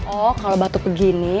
oh kalau batuk begini